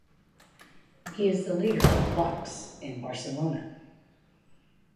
He is the leader of Vox in Barcelona.